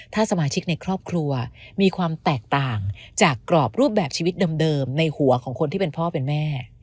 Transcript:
ถ้าสมาชิกในครอบครัวมีความแตกต่างจากกรอบรูปแบบชีวิตเดิมในหัวของคนที่เป็นพ่อเป็นแม่